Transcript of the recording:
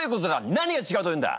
何が違うというんだ！？